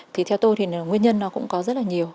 thì theo tôi thì nguyên nhân nó cũng có rất là nhiều